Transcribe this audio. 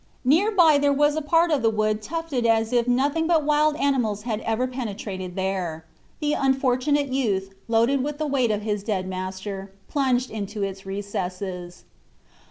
Near by there was a part of the wood tufted as if nothing but wild animals had ever penetrated it. The unfortunate youth, loaded with the weight of his dead master, plunged into its recesses.